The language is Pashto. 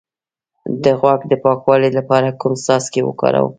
د غوږ د پاکوالي لپاره کوم څاڅکي وکاروم؟